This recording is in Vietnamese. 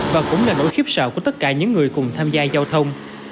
và cũng là nỗi khiếp sợ của tất cả những người cùng tham gia giao thông